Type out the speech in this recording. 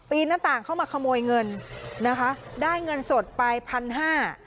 หน้าต่างเข้ามาขโมยเงินนะคะได้เงินสดไปพันห้า